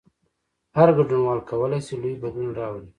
هر ګډونوال کولای شي لوی بدلون راولي.